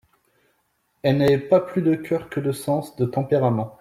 Elle n'avait pas plus de coeur que de sens, de tempérament.